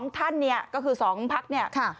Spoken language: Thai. ๒ท่านนี้ก็คือ๒พักนี้